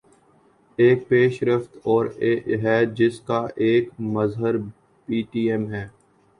ایک پیش رفت اور ہے جس کا ایک مظہر پی ٹی ایم ہے۔